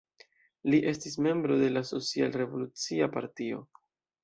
Li estis membro de la Social-Revolucia Partio.